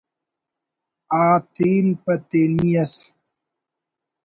آتین پہ تینی ئس